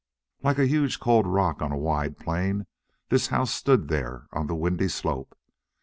Like a huge cold rock on a wide plain this house stood there on the windy slope.